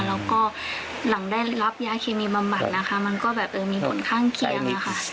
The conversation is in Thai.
แล้วก็หลังได้รับยาเคมีบำบัดนะคะมันก็แบบเออมีผลข้างเคียงอะค่ะ